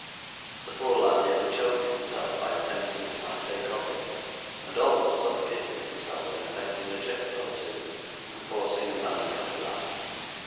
The poor lad nearly choked himself by attempting to partake of it, and almost suffocated himself in affecting a jest or two, and forcing a melancholy laugh.